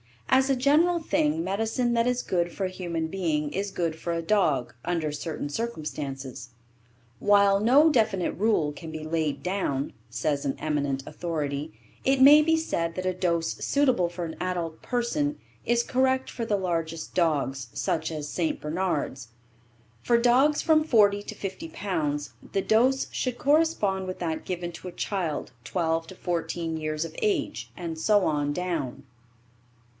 As a general thing medicine that is good for a human being is good for a dog under similar circumstances. "While no definite rule can be laid down" says an eminent authority, "it may be said that a dose suitable for an adult person is correct for the largest dogs, such as St. Bernards; for dogs from forty to fifty pounds the dose should correspond with that given to a child twelve to fourteen years of age, and so on down."